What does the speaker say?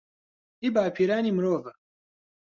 هی باپیرانی مرۆڤە